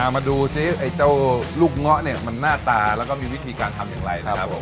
มาดูซิไอ้เจ้าลูกเงาะเนี่ยมันหน้าตาแล้วก็มีวิธีการทำอย่างไรนะครับผม